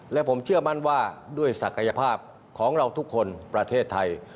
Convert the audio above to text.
และผมเชื่อมั่นว่าด้วยศักยภาพของเราทุกคนประเทศไทย